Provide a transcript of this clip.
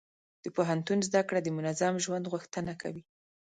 د پوهنتون زده کړه د منظم ژوند غوښتنه کوي.